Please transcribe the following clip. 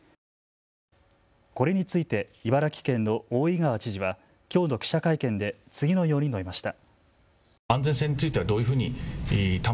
これについて茨城県の大井川知事はきょうの記者会見で次のように述べました。